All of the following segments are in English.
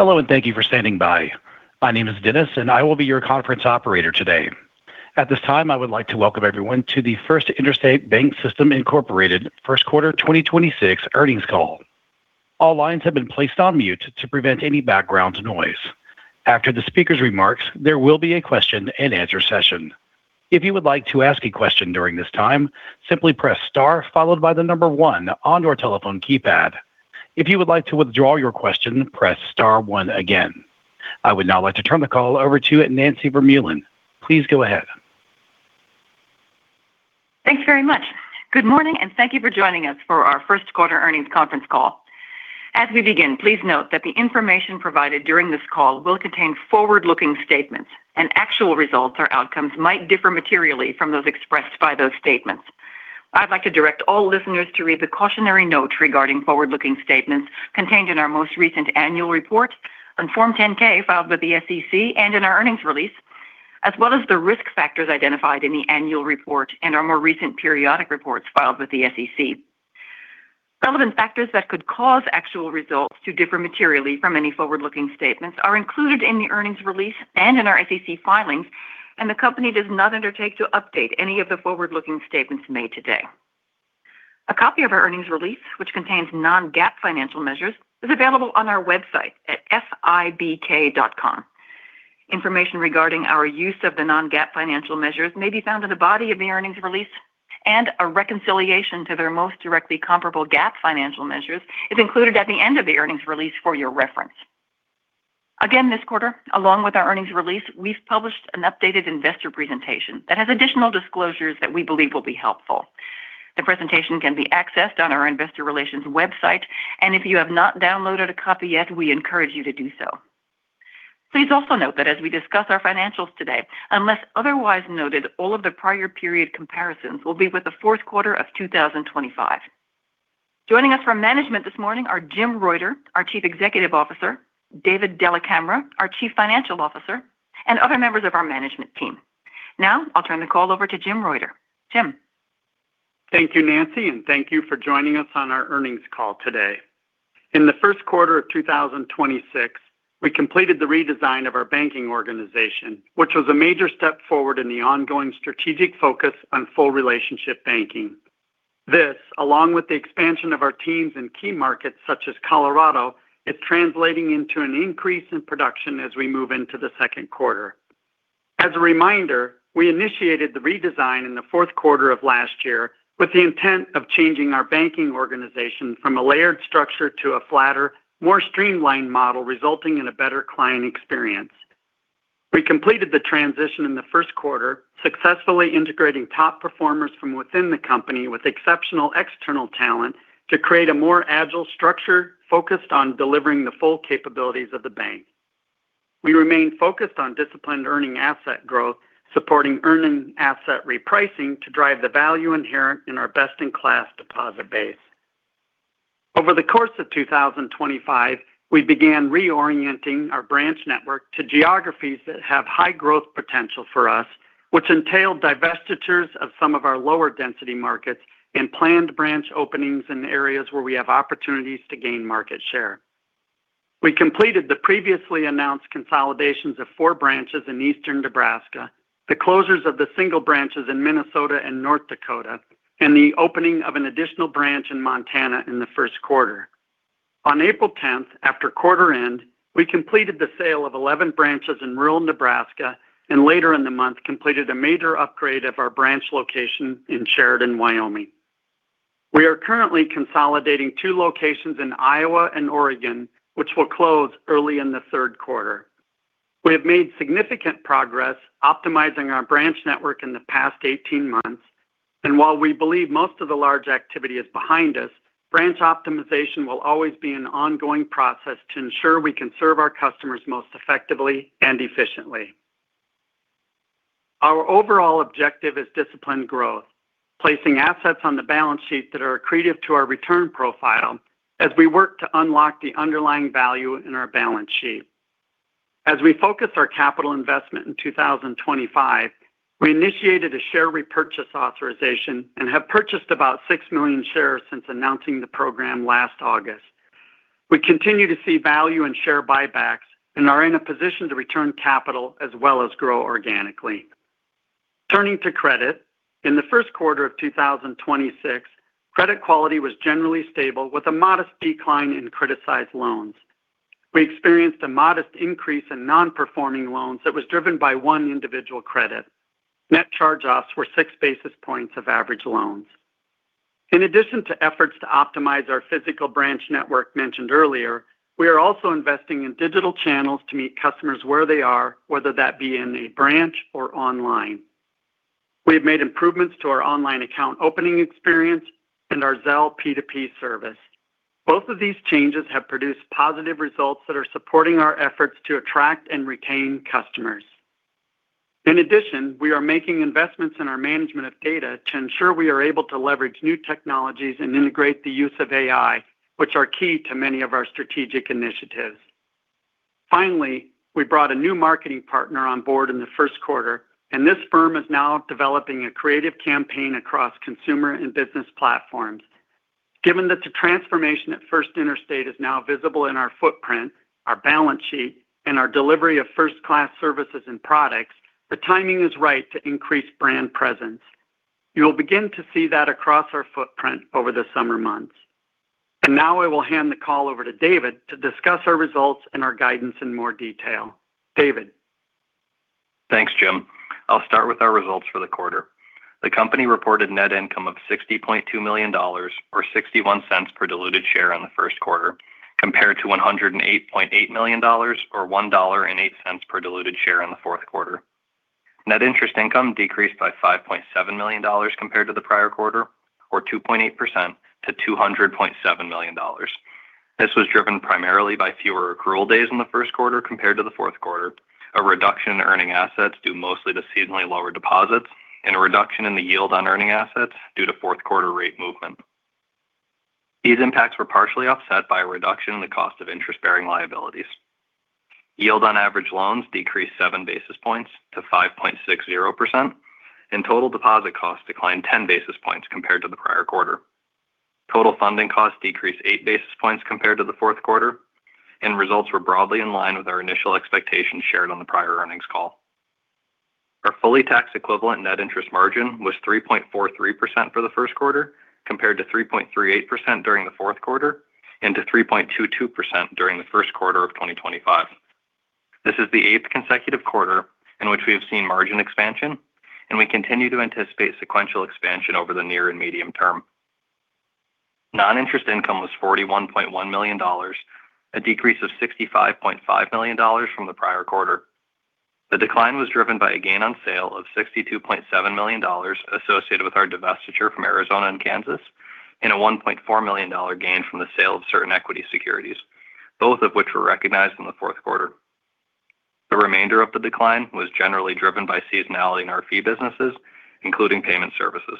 Hello, and thank you for standing by. My name is Dennis, and I will be your conference operator today. At this time, I would like to welcome everyone to the First Interstate BancSystem, Inc. Q1 2026 Earnings Call. All lines have been placed on mute to prevent any background noise. After the speaker's remarks, there will be a question-and-answer session. If you would like to ask a question during this time, simply press star followed by the number one on your telephone keypad. If you would like to withdraw your question, press star one again. I would now like to turn the call over to Nancy Vermeulen. Please go ahead. Thanks very much. Good morning, and thank you for joining us for our Q1 earnings conference call. As we begin, please note that the information provided during this call will contain forward-looking statements, and actual results or outcomes might differ materially from those expressed by those statements. I'd like to direct all listeners to read the cautionary note regarding forward-looking statements contained in our most recent annual report on Form 10-K filed with the SEC and in our earnings release, as well as the risk factors identified in the annual report and our more recent periodic reports filed with the SEC. Relevant factors that could cause actual results to differ materially from any forward-looking statements are included in the earnings release and in our SEC filings, and the company does not undertake to update any of the forward-looking statements made today. A copy of our earnings release, which contains non-GAAP financial measures, is available on our website at fibk.com. Information regarding our use of the non-GAAP financial measures may be found in the body of the earnings release and a reconciliation to their most directly comparable GAAP financial measures is included at the end of the earnings release for your reference. Again, this quarter, along with our earnings release, we've published an updated investor presentation that has additional disclosures that we believe will be helpful. The presentation can be accessed on our investor relations website, and if you have not downloaded a copy yet, we encourage you to do so. Please also note that as we discuss our financials today, unless otherwise noted, all of the prior period comparisons will be with the Q4 of 2025. Joining us from management this morning are Jim Reuter, our Chief Executive Officer, David Della Camera, our Chief Financial Officer, and other members of our management team. I'll turn the call over to Jim Reuter. Jim. Thank you, Nancy, and thank you for joining us on our earnings call today. In the Q1 of 2026, we completed the redesign of our banking organization, which was a major step forward in the ongoing strategic focus on full relationship banking. This, along with the expansion of our teams in key markets such as Colorado, is translating into an increase in production as we move into the Q2. As a reminder, we initiated the redesign in the Q4 of last year with the intent of changing our banking organization from a layered structure to a flatter, more streamlined model, resulting in a better client experience. We completed the transition in the Q1, successfully integrating top performers from within the company with exceptional external talent to create a more agile structure focused on delivering the full capabilities of the bank. We remain focused on disciplined earning asset growth, supporting earning asset repricing to drive the value inherent in our best-in-class deposit base. Over the course of 2025, we began reorienting our branch network to geographies that have high growth potential for us, which entailed divestitures of some of our lower density markets and planned branch openings in areas where we have opportunities to gain market share. We completed the previously announced consolidations of four branches in Eastern Nebraska, the closures of the single branches in Minnesota and North Dakota, and the opening of an additional branch in Montana in the Q1. On April 10th, after quarter end, we completed the sale of 11 branches in rural Nebraska, and later in the month completed a major upgrade of our branch location in Sheridan, Wyoming. We are currently consolidating two locations in Iowa and Oregon, which will close early in the Q3. We have made significant progress optimizing our branch network in the past 18 months, and while we believe most of the large activity is behind us, branch optimization will always be an ongoing process to ensure we can serve our customers most effectively and efficiently. Our overall objective is disciplined growth, placing assets on the balance sheet that are accretive to our return profile as we work to unlock the underlying value in our balance sheet. As we focus our capital investment in 2025, we initiated a share repurchase authorization and have purchased about six million shares since announcing the program last August. We continue to see value in share buybacks and are in a position to return capital as well as grow organically. Turning to credit, in the Q1 of 2026, credit quality was generally stable with a modest decline in criticized loans. We experienced a modest increase in non-performing loans that was driven by one individual credit. Net charge-offs were 6 basis points of average loans. In addition to efforts to optimize our physical branch network mentioned earlier, we are also investing in digital channels to meet customers where they are, whether that be in a branch or online. We have made improvements to our online account opening experience and our Zelle P2P service. Both of these changes have produced positive results that are supporting our efforts to attract and retain customers. We are making investments in our management of data to ensure we are able to leverage new technologies and integrate the use of AI, which are key to many of our strategic initiatives. We brought a new marketing partner on board in the Q1, and this firm is now developing a creative campaign across consumer and business platforms. Given that the transformation at First Interstate is now visible in our footprint, our balance sheet, and our delivery of first-class services and products, the timing is right to increase brand presence. You'll begin to see that across our footprint over the summer months. Now I will hand the call over to David to discuss our results and our guidance in more detail. David? Thanks, Jim. I'll start with our results for the quarter. The company reported Net Interest Income of $60.2 million or $0.61 per diluted share in the Q1, compared to $108.8 million or $1.08 per diluted share in the Q4. Net Interest Income decreased by $5.7 million compared to the prior quarter or 2.8% to $200.7 million. This was driven primarily by fewer accrual days in the Q1 compared to the Q4, a reduction in earning assets due mostly to seasonally lower deposits, and a reduction in the yield on earning assets due to Q4 rate movement. These impacts were partially offset by a reduction in the cost of interest-bearing liabilities. Yield on average loans decreased 7 basis points to 5.60%. Total deposit costs declined 10 basis points compared to the prior quarter. Total funding costs decreased 8 basis points compared to the Q4. Results were broadly in line with our initial expectations shared on the prior earnings call. Our fully tax-equivalent net interest margin was 3.43% for the Q1, compared to 3.38% during the Q4 and to 3.22% during the Q1 of 2025. This is the eighth consecutive quarter in which we have seen margin expansion. We continue to anticipate sequential expansion over the near and medium term. Non-interest income was $41.1 million, a decrease of $65.5 million from the prior quarter. The decline was driven by a gain on sale of $62.7 million associated with our divestiture from Arizona and Kansas, and a $1.4 million gain from the sale of certain equity securities, both of which were recognized in the Q4. The remainder of the decline was generally driven by seasonality in our fee businesses, including payment services.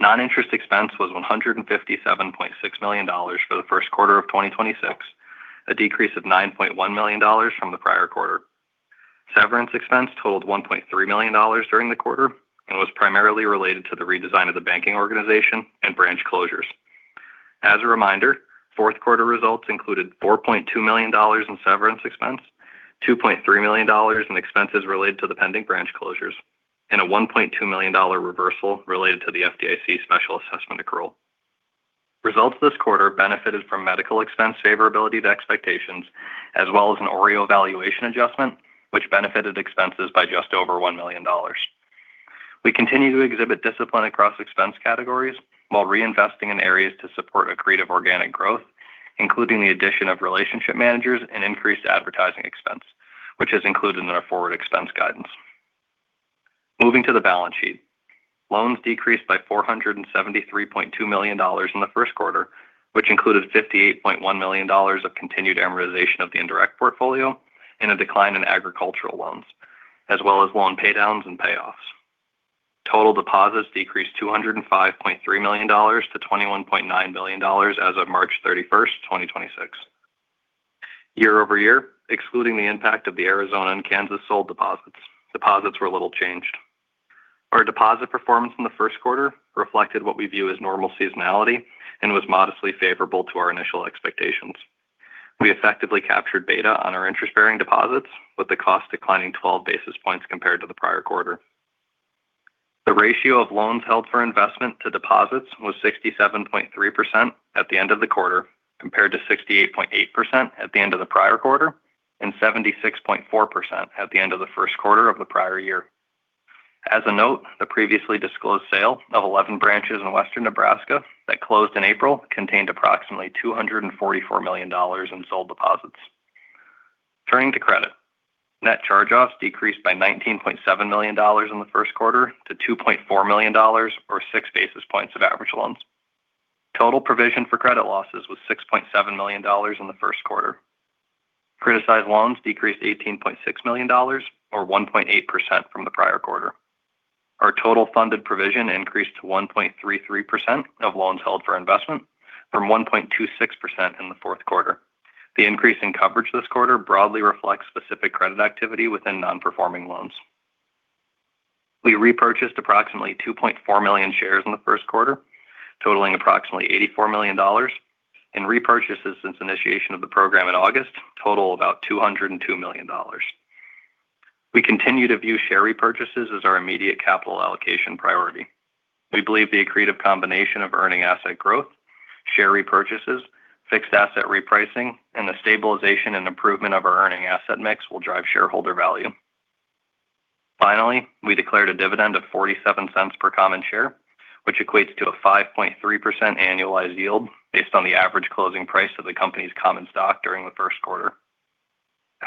Non-interest expense was $157.6 million for the Q1 of 2026, a decrease of $9.1 million from the prior quarter. Severance expense totaled $1.3 million during the quarter and was primarily related to the redesign of the banking organization and branch closures. As a reminder, Q4 results included $4.2 million in severance expense, $2.3 million in expenses related to the pending branch closures, and a $1.2 million reversal related to the FDIC special assessment accrual. Results this quarter benefited from medical expense favorability to expectations, as well as an OREO valuation adjustment, which benefited expenses by just over $1 million. We continue to exhibit discipline across expense categories while reinvesting in areas to support accretive organic growth, including the addition of relationship managers and increased advertising expense, which is included in our forward expense guidance. Moving to the balance sheet. Loans decreased by $473.2 million in the Q1, which included $58.1 million of continued amortization of the indirect portfolio and a decline in agricultural loans, as well as loan paydowns and payoffs. Total deposits decreased $205.3 million to $21.9 million as of March 31st, 2026. Year-over-year, excluding the impact of the Arizona and Kansas sold deposits were a little changed. Our deposit performance in the Q1 reflected what we view as normal seasonality and was modestly favorable to our initial expectations. We effectively captured beta on our interest-bearing deposits, with the cost declining 12 basis points compared to the prior quarter. The ratio of loans held for investment to deposits was 67.3% at the end of the quarter, compared to 68.8% at the end of the prior quarter and 76.4% at the end of the Q1 of the prior year. As a note, the previously disclosed sale of 11 branches in Western Nebraska that closed in April contained approximately $244 million in sold deposits. Turning to credit. Net charge-offs decreased by $19.7 million in the Q1 to $2.4 million or 6 basis points of average loans. Total provision for credit losses was $6.7 million in the Q1. Criticized loans decreased $18.6 million or 1.8% from the prior quarter. Our total funded provision increased to 1.33% of loans held for investment from 1.26% in the Q4. The increase in coverage this quarter broadly reflects specific credit activity within non-performing loans. We repurchased approximately 2.4 million shares in the Q1, totaling approximately $84 million, and repurchases since initiation of the program in August total about $202 million. We continue to view share repurchases as our immediate capital allocation priority. We believe the accretive combination of earning asset growth, share repurchases, fixed asset repricing, and the stabilization and improvement of our earning asset mix will drive shareholder value. Finally, we declared a dividend of $0.47 per common share, which equates to a 5.3% annualized yield based on the average closing price of the company's common stock during the Q1.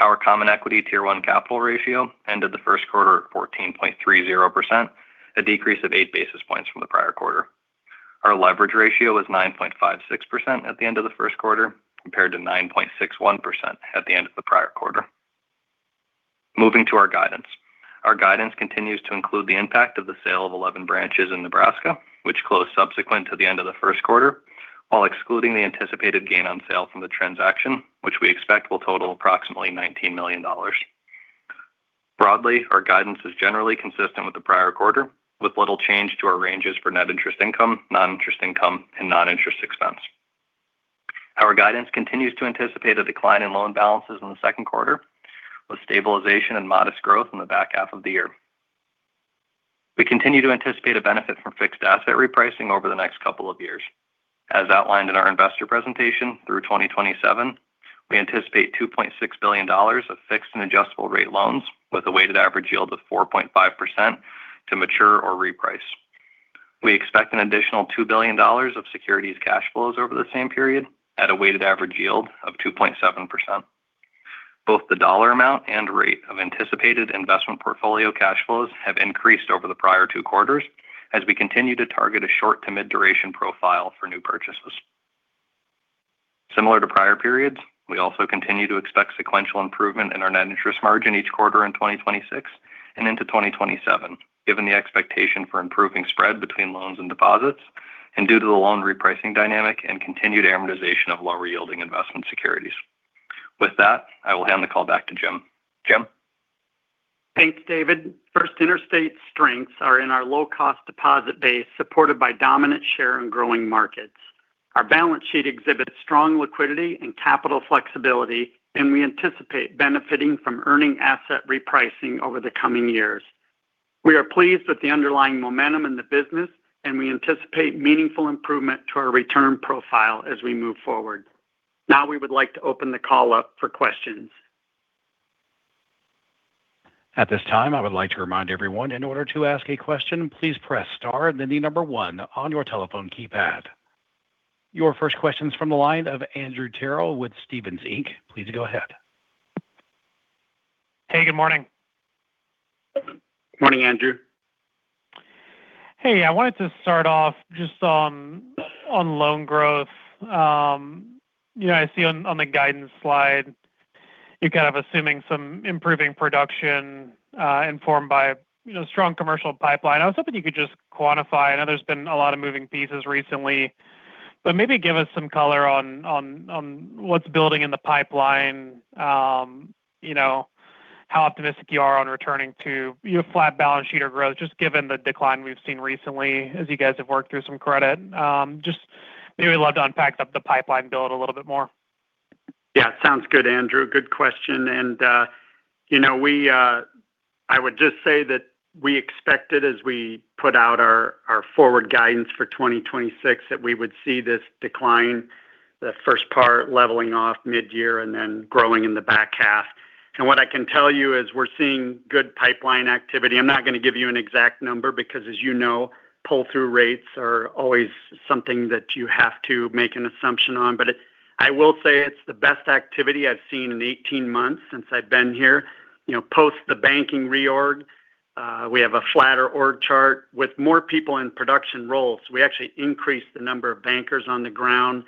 Our Common Equity Tier 1 capital ratio ended the Q1 at 14.30%, a decrease of 8 basis points from the prior quarter. Our leverage ratio was 9.56% at the end of the Q1, compared to 9.61%. Moving to our guidance. Our guidance continues to include the impact of the sale of 11 branches in Nebraska, which closed subsequent to the end of the Q1, while excluding the anticipated gain on sale from the transaction, which we expect will total approximately $19 million. Broadly, our guidance is generally consistent with the prior quarter, with little change to our ranges for net interest income, non-interest income, and non-interest expense. Our guidance continues to anticipate a decline in loan balances in the Q2, with stabilization and modest growth in the back half of the year. We continue to anticipate a benefit from fixed asset repricing over the next couple of years. As outlined in our investor presentation through 2027, we anticipate $2.6 billion of fixed and adjustable rate loans with a weighted average yield of 4.5% to mature or reprice. We expect an additional $2 billion of securities cash flows over the same period at a weighted average yield of 2.7%. Both the dollar amount and rate of anticipated investment portfolio cash flows have increased over the prior two quarters as we continue to target a short to mid-duration profile for new purchases. Similar to prior periods, we also continue to expect sequential improvement in our net interest margin each quarter in 2026 and into 2027, given the expectation for improving spread between loans and deposits and due to the loan repricing dynamic and continued amortization of lower yielding investment securities. With that, I will hand the call back to Jim. Jim? Thanks, David. First Interstate strengths are in our low-cost deposit base, supported by dominant share and growing markets. Our balance sheet exhibits strong liquidity and capital flexibility, and we anticipate benefiting from earning asset repricing over the coming years. We are pleased with the underlying momentum in the business, and we anticipate meaningful improvement to our return profile as we move forward. We would like to open the call up for questions. At this time, I would like to remind everyone, in order to ask a question, please press star, then the number one on your telephone keypad. Your first question is from the line of Andrew Terrell with Stephens Inc. Please go ahead. Hey, good morning. Morning, Andrew. Hey, I wanted to start off just on loan growth. You know, I see on the guidance slide you're kind of assuming some improving production, informed by, you know, strong commercial pipeline. I was hoping you could just quantify. I know there's been a lot of moving pieces recently, but maybe give us some color on what's building in the pipeline. You know, how optimistic you are on returning to your flat balance sheet or growth, just given the decline we've seen recently as you guys have worked through some credit. Just maybe love to unpack the pipeline build a little bit more. Yeah, sounds good, Andrew. Good question. I would just say that we expected as we put out our forward guidance for 2026 that we would see this decline, the first part leveling off mid-year and then growing in the back half. What I can tell you is we're seeing good pipeline activity. I'm not gonna give you an exact number because as you know, pull-through rates are always something that you have to make an assumption on. I will say it's the best activity I've seen in the 18 months since I've been here. You know, post the banking reorg, we have a flatter org chart with more people in production roles. We actually increased the number of bankers on the ground.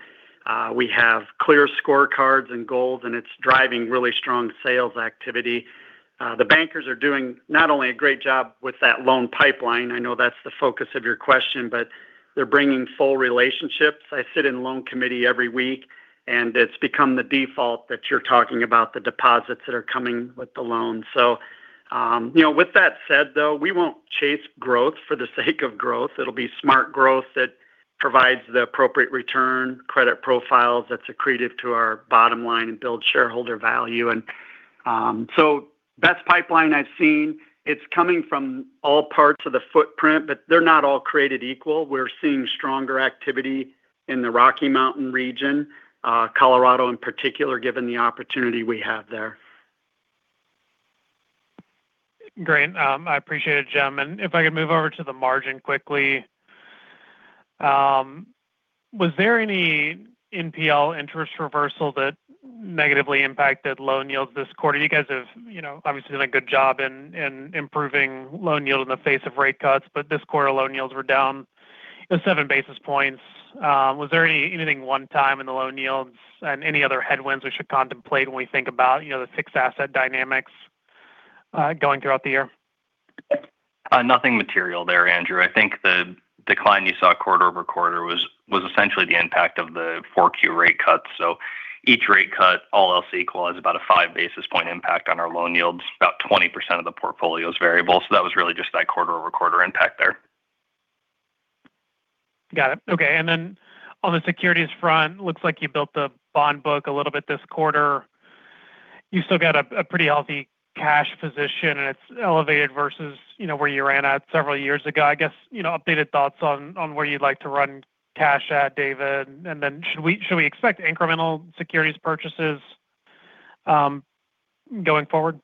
We have clear scorecards and goals, it's driving really strong sales activity. The bankers are doing not only a great job with that loan pipeline, I know that's the focus of your question, but they're bringing full relationships. I sit in loan committee every week, and it's become the default that you're talking about the deposits that are coming with the loan. You know, with that said though, we won't chase growth for the sake of growth. It'll be smart growth that provides the appropriate return credit profiles that's accretive to our bottom line and build shareholder value. Best pipeline I've seen. It's coming from all parts of the footprint, but they're not all created equal. We're seeing stronger activity in the Rocky Mountain region, Colorado in particular, given the opportunity we have there. Great. I appreciate it, Jim. If I could move over to the margin quickly. Was there any NPL interest reversal that negatively impacted loan yields this quarter? You guys have, you know, obviously done a good job in improving loan yield in the face of rate cuts, but this quarter loan yields were down 7 basis points. Was there any anything one time in the loan yields and any other headwinds we should contemplate when we think about, you know, the fixed asset dynamics, going throughout the year? Nothing material there, Andrew Terrell. I think the decline you saw quarter-over-quarter was essentially the impact of the 4Q rate cuts. Each rate cut, all else equal, is about a 5 basis point impact on our loan yields. About 20% of the portfolio is variable. That was really just that quarter-over-quarter impact there. Got it. Okay. On the securities front, looks like you built the bond book a little bit this quarter. You still got a pretty healthy cash position and it's elevated versus, you know, where you ran at several years ago. I guess, you know, updated thoughts on where you'd like to run cash at, David, Should we expect incremental securities purchases going forward?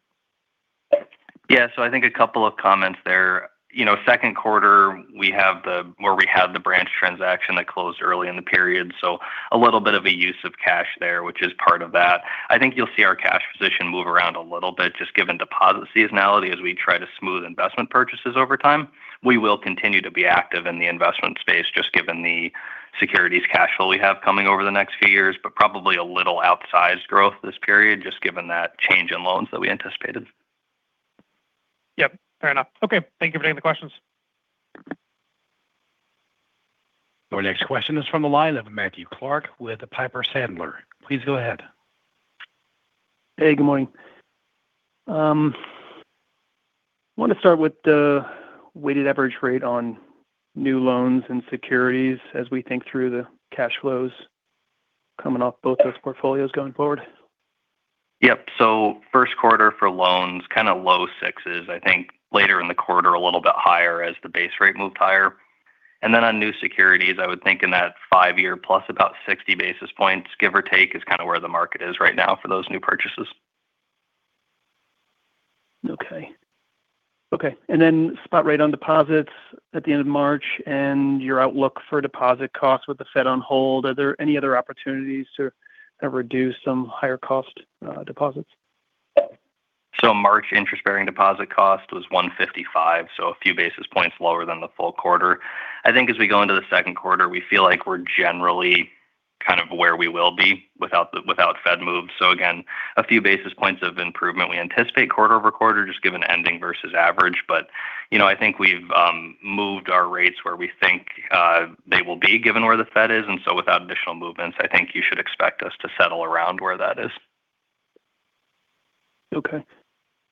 Yeah. I think a couple of comments there. You know, Q2 we had the branch transaction that closed early in the period. A little bit of a use of cash there, which is part of that. I think you'll see our cash position move around a little bit just given deposit seasonality as we try to smooth investment purchases over time. We will continue to be active in the investment space just given the securities cash flow we have coming over the next few years, but probably a little outsized growth this period, just given that change in loans that we anticipated. Yep, fair enough. Okay, thank you for taking the questions. Our next question is from the line of Matthew Clark with Piper Sandler. Please go ahead. Hey, good morning. I want to start with the weighted average rate on new loans and securities as we think through the cash flows coming off both those portfolios going forward. Yep. Q1 for loans, kind of low sixes. I think later in the quarter a little bit higher as the base rate moved higher. On new securities, I would think in that five-year plus about 60 basis points, give or take, is kind of where the market is right now for those new purchases. Okay. Okay. Then spot rate on deposits at the end of March and your outlook for deposit costs with the Fed on hold, are there any other opportunities to kind of reduce some higher cost deposits? March interest-bearing deposit cost was 155, so a few basis points lower than the full quarter. I think as we go into the Q2, we feel like we're generally kind of where we will be without Fed moves. Again, a few basis points of improvement. We anticipate quarter-over-quarter just given ending versus average. You know, I think we've moved our rates where we think they will be given where the Fed is. Without additional movements, I think you should expect us to settle around where that is. Okay.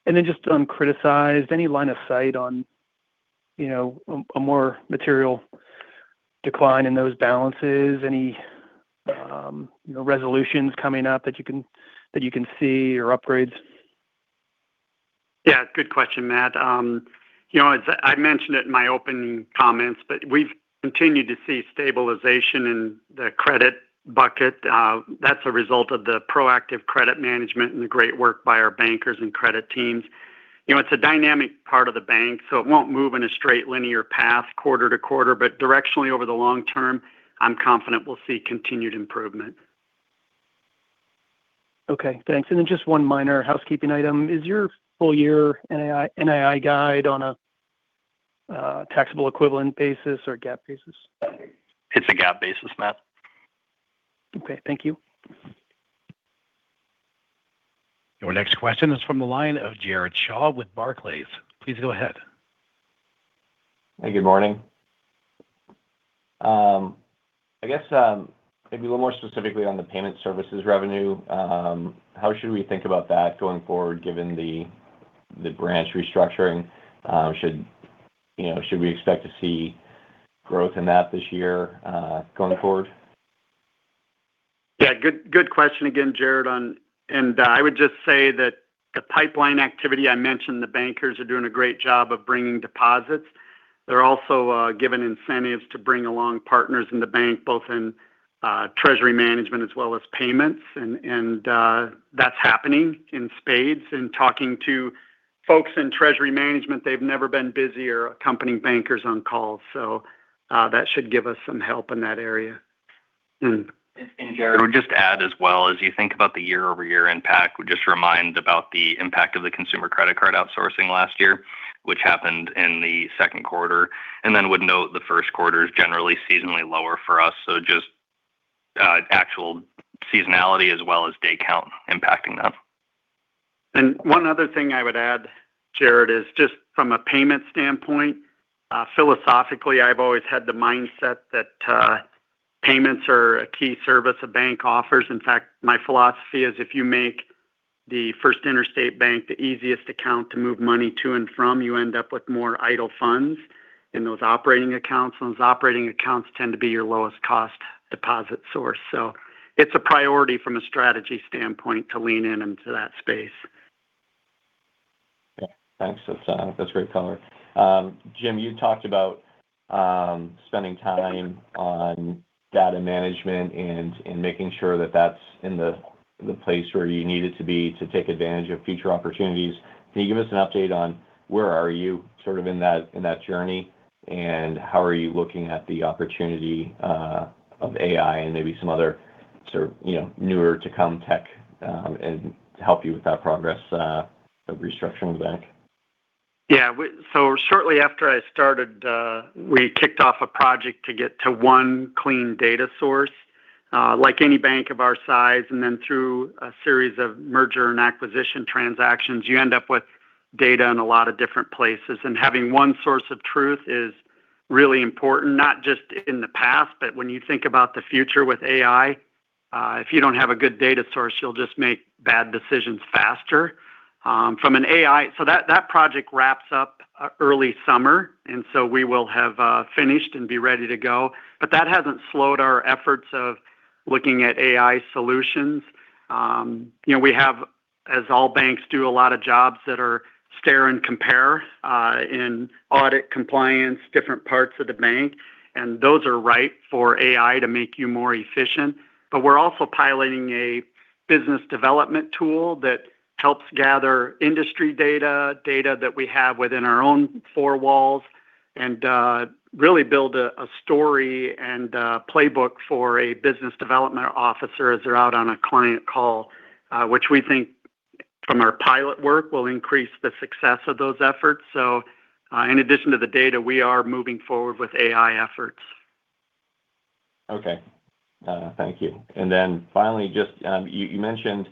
Just on criticized, any line of sight on, you know, a more material decline in those balances? Any, you know, resolutions coming up that you can see or upgrades? Yeah, good question, Matt. You know, as I mentioned it in my opening comments, we've continued to see stabilization in the credit bucket. That's a result of the proactive credit management and the great work by our bankers and credit teams. You know, it's a dynamic part of the bank, it won't move in a straight linear path quarter to quarter. Directionally, over the long term, I'm confident we'll see continued improvement. Okay, thanks. Just one minor housekeeping item. Is your full year NII guide on a taxable equivalent basis or GAAP basis? It's a GAAP basis, Matt. Okay, thank you. Your next question is from the line of Jared Shaw with Barclays. Please go ahead. Hey, good morning. I guess, maybe a little more specifically on the payment services revenue. How should we think about that going forward, given the branch restructuring? Should, you know, should we expect to see growth in that this year, going forward? Good question again, Jared, on. I would just say that the pipeline activity I mentioned, the bankers are doing a great job of bringing deposits. They're also given incentives to bring along partners in the bank, both in treasury management as well as payments. That's happening in spades. In talking to folks in treasury management, they've never been busier accompanying bankers on calls. That should give us some help in that area. Mm-hmm. Jared, I would just add as well, as you think about the year-over-year impact, would just remind about the impact of the consumer credit card outsourcing last year, which happened in the Q2. Then would note the Q1 is generally seasonally lower for us. Just actual seasonality as well as day count impacting that. One other thing I would add, Jared, is just from a payment standpoint, philosophically, I've always had the mindset that payments are a key service a bank offers. In fact, my philosophy is if you make the First Interstate Bank the easiest account to move money to and from, you end up with more idle funds in those operating accounts. Those operating accounts tend to be your lowest cost deposit source. It's a priority from a strategy standpoint to lean into that space. Yeah. Thanks. That's, that's great color. Jim, you talked about spending time on data management and making sure that that's in the place where you need it to be to take advantage of future opportunities. Can you give us an update on where are you sort of in that journey, and how are you looking at the opportunity of AI and maybe some other sort of, you know, newer to come tech, and to help you with that progress of restructuring the bank? Yeah. Shortly after I started, we kicked off a project to get to one clean data source. Like any bank of our size, and then through a series of merger and acquisition transactions, you end up with data in a lot of different places. Having one source of truth is really important, not just in the past, but when you think about the future with AI. If you don't have a good data source, you'll just make bad decisions faster. That, that project wraps up early summer, we will have finished and be ready to go. That hasn't slowed our efforts of looking at AI solutions. You know, we have, as all banks do, a lot of jobs that are stare and compare, in audit compliance, different parts of the bank. Those are ripe for AI to make you more efficient. We're also piloting a business development tool that helps gather industry data that we have within our own four walls, and really build a story and a playbook for a business development officer as they're out on a client call, which we think from our pilot work will increase the success of those efforts. In addition to the data, we are moving forward with AI efforts. Okay. Thank you. Finally, you mentioned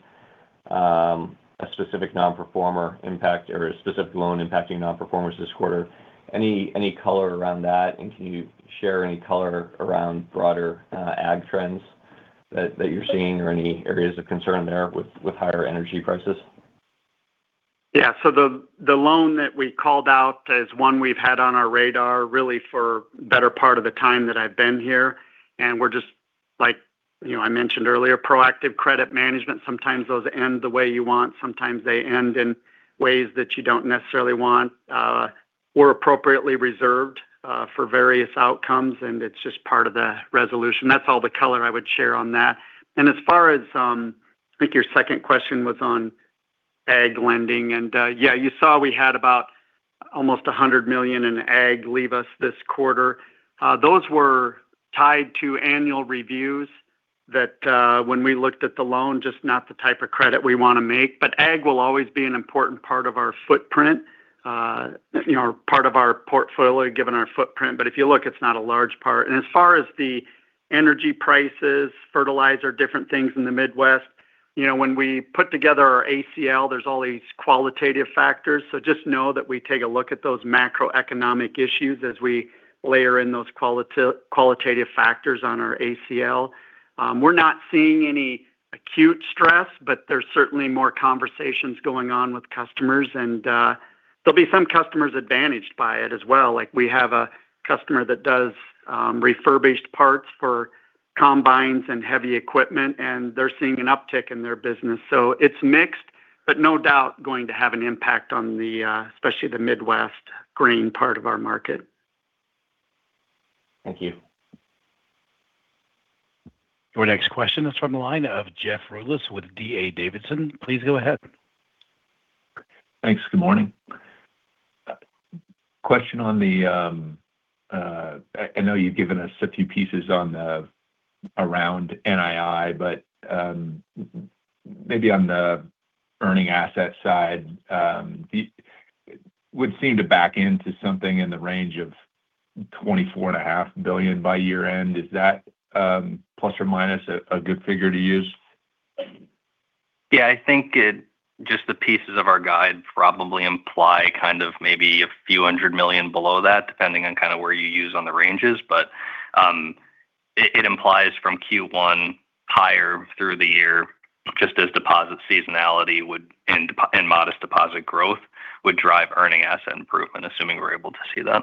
a specific non-performer impact or a specific loan impacting non-performers this quarter. Any color around that? Can you share any color around broader Ag trends that you're seeing or any areas of concern there with higher energy prices? Yeah. The loan that we called out is one we've had on our radar really for better part of the time that I've been here, and we're just like, you know, I mentioned earlier, proactive credit management. Sometimes those end the way you want, sometimes they end in ways that you don't necessarily want. We're appropriately reserved for various outcomes, and it's just part of the resolution. That's all the color I would share on that. As far as, I think your second question was on Ag lending, you saw we had about almost $100 million in Ag leave us this quarter. Those were tied to annual reviews that when we looked at the loan, just not the type of credit we wanna make. Ag will always be an important part of our footprint, you know, part of our portfolio, given our footprint. If you look, it's not a large part. As far as the energy prices, fertilizer, different things in the Midwest, you know, when we put together our ACL, there's all these qualitative factors. Just know that we take a look at those macroeconomic issues as we layer in those qualitative factors on our ACL. We're not seeing any acute stress, but there's certainly more conversations going on with customers and there'll be some customers advantaged by it as well. Like, we have a customer that does refurbished parts for combines and heavy equipment, and they're seeing an uptick in their business. It's mixed, but no doubt going to have an impact on the especially the Midwest grain part of our market. Thank you. Your next question is from the line of Jeff Rulis with D.A. Davidson. Please go ahead. Thanks. Good morning. Question on the, I know you've given us a few pieces on the around NII, but, maybe on the earning asset side, would seem to back into something in the range of $24.5 billion by year end. Is that plus or minus a good figure to use? Yeah, I think just the pieces of our guide probably imply kind of maybe a few hundred million below that, depending on kind of where you use on the ranges. It implies from Q1 higher through the year just as deposit seasonality would, and modest deposit growth would drive earning asset improvement, assuming we're able to see that.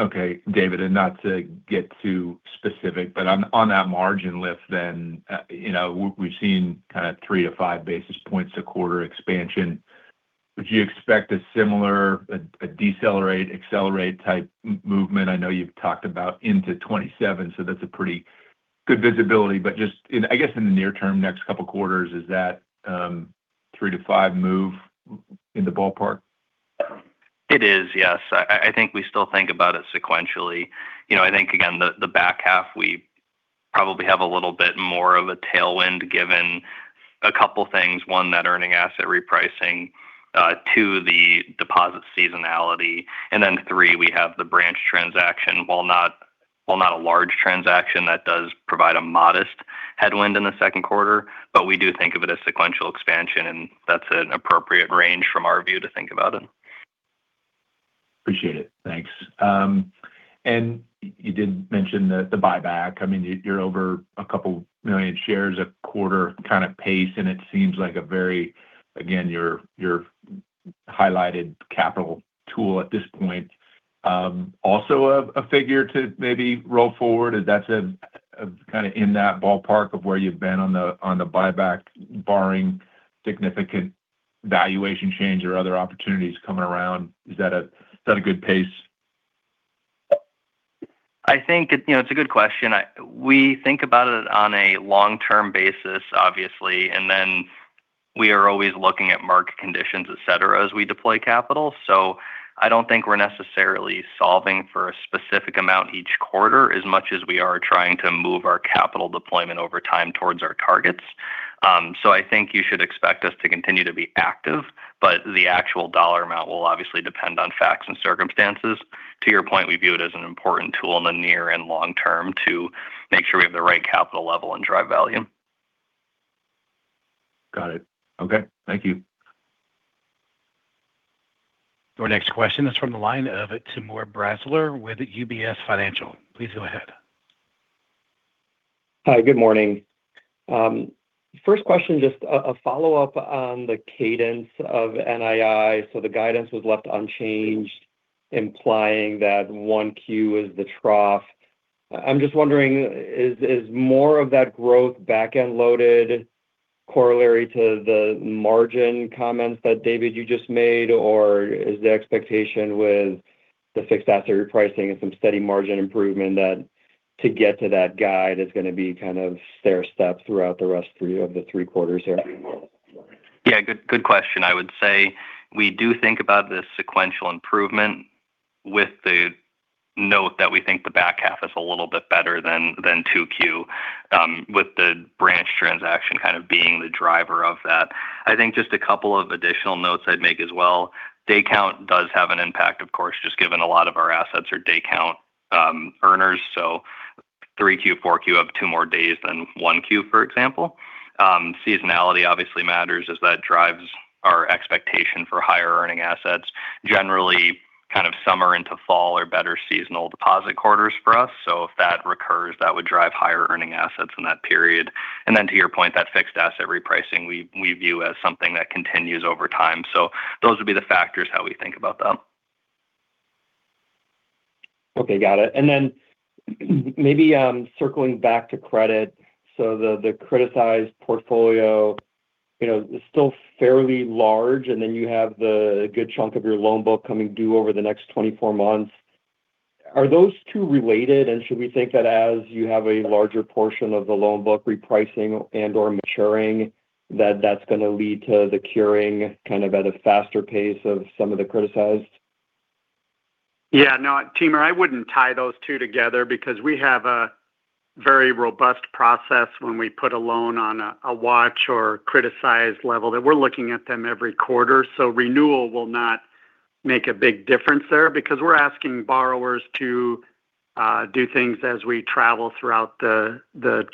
Okay. David, and not to get too specific, but on that margin lift then, you know, we've seen kind of 3-5 basis points to quarter expansion. Would you expect a similar decelerate, accelerate type movement? I know you've talked about into 2027, so that's a pretty good visibility. Just I guess in the near term next couple quarters, is that 3-5 move in the ballpark? It is, yes. I think we still think about it sequentially. You know, I think again, the back half we probably have a little bit more of a tailwind given two things. One, that earning asset repricing. Two, the deposit seasonality. Three, we have the branch transaction. While not a large transaction, that does provide a modest headwind in the Q2. We do think of it as sequential expansion, and that's an appropriate range from our view to think about it. Appreciate it. Thanks. You did mention the buyback. I mean, you're over a couple million shares a quarter kind of pace, and it seems like a very, again, your highlighted capital tool at this point. Also a figure to maybe roll forward if that's a kind of in that ballpark of where you've been on the, on the buyback, barring significant valuation change or other opportunities coming around. Is that a, is that a good pace? I think it, you know, it's a good question. We think about it on a long-term basis, obviously. We are always looking at market conditions, et cetera, as we deploy capital. I don't think we're necessarily solving for a specific amount each quarter as much as we are trying to move our capital deployment over time towards our targets. I think you should expect us to continue to be active, but the actual dollar amount will obviously depend on facts and circumstances. To your point, we view it as an important tool in the near and long term to make sure we have the right capital level and drive value. Got it. Okay. Thank you. Our next question is from the line of Timur Braziler with UBS. Please go ahead. Hi, good morning. First question, just a follow-up on the cadence of NII. The guidance was left unchanged, implying that 1Q is the trough. I'm just wondering, is more of that growth back-end loaded corollary to the margin comments that David, you just made, or is the expectation with the fixed asset repricing and some steady margin improvement that to get to that guide is gonna be kind of stairstep throughout the rest three of the three quarters there? Yeah, good question. I would say we do think about the sequential improvement. Note that we think the back half is a little bit better than 2Q, with the branch transaction kind of being the driver of that. I think just a couple of additional notes I'd make as well. Day count does have an impact, of course, just given a lot of our assets are day count earners. 3Q, 4Q have 2 more days than 1Q, for example. Seasonality obviously matters as that drives our expectation for higher earning assets. Generally, kind of summer into fall are better seasonal deposit quarters for us. If that recurs, that would drive higher earning assets in that period. To your point, that fixed asset repricing we view as something that continues over time. Those would be the factors how we think about them. Okay, got it. Then maybe, circling back to credit. The criticized portfolio, you know, is still fairly large, and then you have the good chunk of your loan book coming due over the next 24 months. Are those two related? Should we think that as you have a larger portion of the loan book repricing and/or maturing, that's gonna lead to the curing kind of at a faster pace of some of the criticized? No, Timur, I wouldn't tie those two together because we have a very robust process when we put a loan on a watch or criticized level that we're looking at them every quarter. Renewal will not make a big difference there because we're asking borrowers to do things as we travel throughout the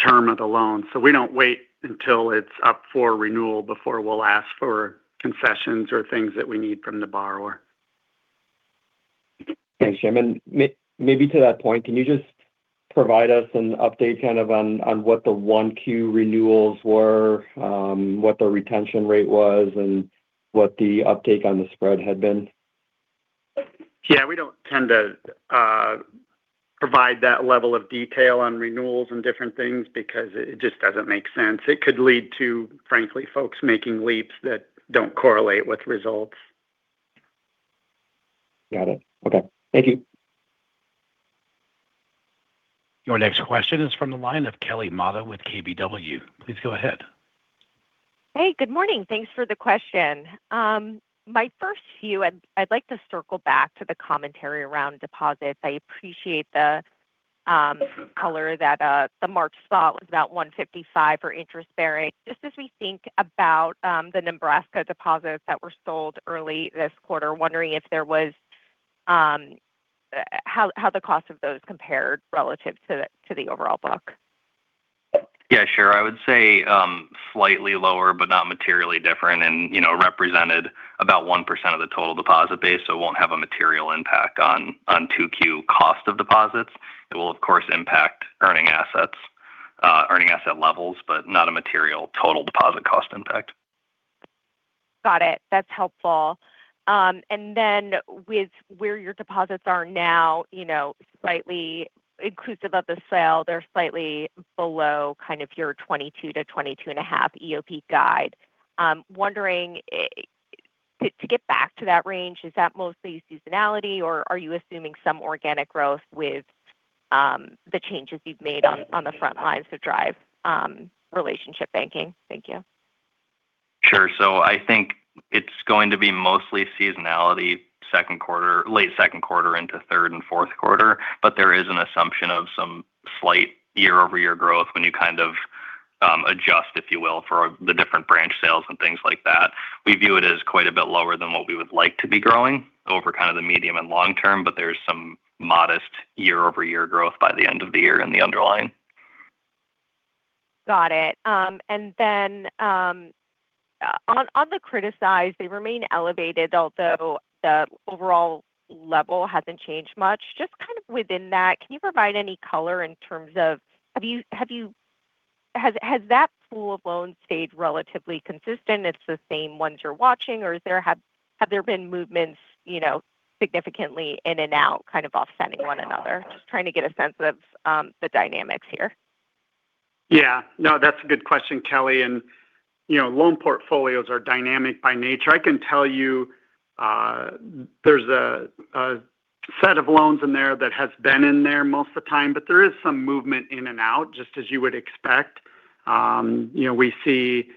term of the loan. We don't wait until it's up for renewal before we'll ask for concessions or things that we need from the borrower. Thanks, Jim. Maybe to that point, can you just provide us an update kind of on what the 1 Q renewals were, what the retention rate was, and what the uptake on the spread had been? We don't tend to provide that level of detail on renewals and different things because it just doesn't make sense. It could lead to, frankly, folks making leaps that don't correlate with results. Got it. Okay. Thank you. Your next question is from the line of Kelly Motta with KBW. Please go ahead. Hey, good morning. Thanks for the question. My first few, I'd like to circle back to the commentary around deposits. I appreciate the color that the March spot was about 1.55 for interest bearing. Just as we think about the Nebraska deposits that were sold early this quarter, wondering how the cost of those compared relative to the overall book. Yeah, sure. I would say, slightly lower, but not materially different and, you know, represented about 1% of the total deposit base, so it won't have a material impact on 2Q cost of deposits. It will, of course, impact earning assets, earning asset levels, but not a material total deposit cost impact. Got it. That's helpful. With where your deposits are now, you know, slightly inclusive of the sale, they're slightly below kind of your 22 to 22.5 EOP guide. Wondering to get back to that range, is that mostly seasonality, or are you assuming some organic growth with the changes you've made on the front lines to drive relationship banking? Thank you. Sure. I think it's going to be mostly seasonality Q2, late Q2 into third and Q4. There is an assumption of some slight year-over-year growth when you kind of adjust, if you will, for the different branch sales and things like that. We view it as quite a bit lower than what we would like to be growing over kind of the medium and long term, but there's some modest year-over-year growth by the end of the year in the underlying. Got it. Then, on the criticized, they remain elevated, although the overall level hasn't changed much. Just kind of within that, can you provide any color in terms of have you has that pool of loans stayed relatively consistent? It's the same ones you're watching, or is there have there been movements, you know, significantly in and out kind of offsetting one another? Just trying to get a sense of the dynamics here. Yeah. No, that's a good question, Kelly. You know, loan portfolios are dynamic by nature. I can tell you, there's a set of loans in there that has been in there most of the time, but there is some movement in and out, just as you would expect. You know, we see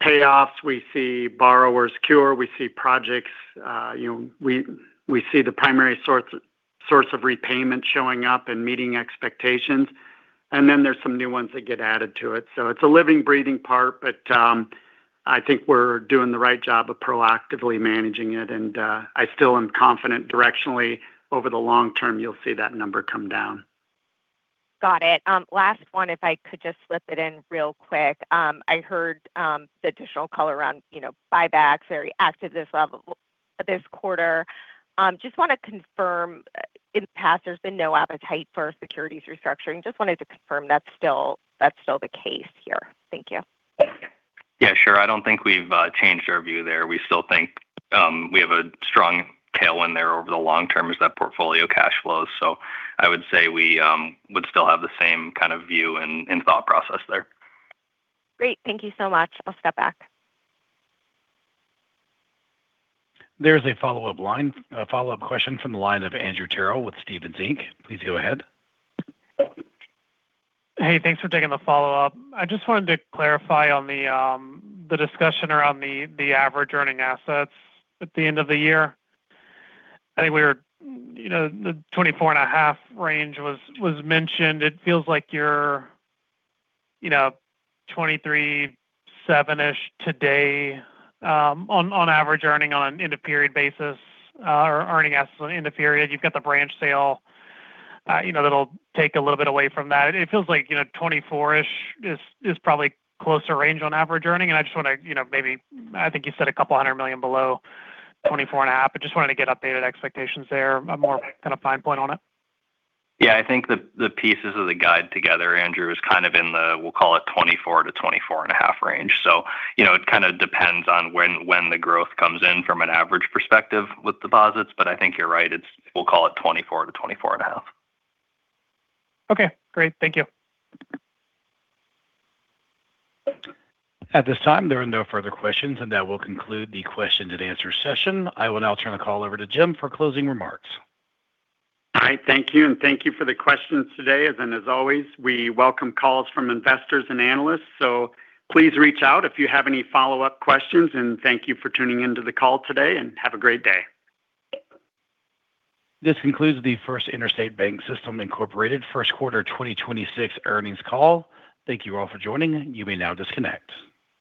payoffs, we see borrowers cure, we see projects, you know, we see the primary source of repayment showing up and meeting expectations. Then there's some new ones that get added to it. It's a living, breathing part, but I think we're doing the right job of proactively managing it. I still am confident directionally over the long term you'll see that number come down. Got it. Last one, if I could just slip it in real quick. I heard the additional call around, you know, buybacks very active this quarter. Just wanna confirm, in the past, there's been no appetite for securities restructuring. Just wanted to confirm that's still the case here. Thank you. Yeah, sure. I don't think we've changed our view there. We still think we have a strong tailwind there over the long term as that portfolio cash flows. I would say we would still have the same kind of view and thought process there. Great. Thank you so much. I'll step back. There's a follow-up question from the line of Andrew Terrell with Stephens Inc. Please go ahead. Thanks for taking the follow-up. I just wanted to clarify on the discussion around the average earning assets at the end of the year. I think we were, you know, the $24.5 million range was mentioned. It feels like you're, you know, $23.7-ish million today on average earning on end-of-period basis or earning assets on end of period. You've got the branch sale, you know, that'll take a little bit away from that. It feels like, you know, $24-ish million is probably closer range on average earning. I just wanna, you know, I think you said $200 million below $24.5 million. I just wanted to get updated expectations there, a more kind of fine point on it. Yeah. I think the pieces of the guide together, Andrew, is kind of in the, we'll call it 24-24.5 million range. You know, it kind of depends on when the growth comes in from an average perspective with deposits. I think you're right. It's, we'll call it 24-24.5. Okay, great. Thank you. At this time, there are no further questions, and that will conclude the question and answer session. I will now turn the call over to Jim for closing remarks. All right. Thank you. Thank you for the questions today. As always, we welcome calls from investors and analysts. Please reach out if you have any follow-up questions. Thank you for tuning in to the call today. Have a great day. This concludes the First Interstate BancSystem, Inc. Q1 2026 earnings call. Thank you all for joining. You may now disconnect.